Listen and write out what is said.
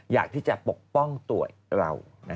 อยากที่จะปกป้องตัวเรา